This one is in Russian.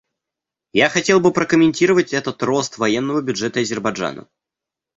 Я хотел бы прокомментировать этот рост военного бюджета Азербайджана.